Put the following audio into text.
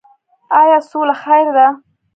آیا سوله خیر ده؟